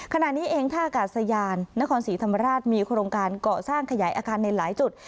ขณะนี้เองท่ากาศยานนครศรีธรรมราชมีโครงการเกาะสร้างขยายอาคารในหลายจุด